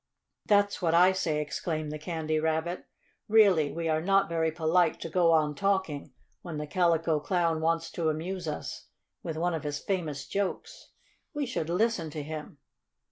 "That's what I say!" exclaimed the Candy Rabbit. "Really, we are not very polite to go on talking when the Calico Clown wants to amuse us with one of his famous jokes. We should listen to him."